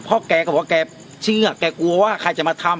เพราะแกก็บอกแกเชื่อแกกลัวว่าใครจะมาทำ